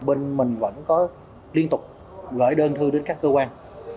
bên mình vẫn có liên tục gửi đơn thư đến các cơ quan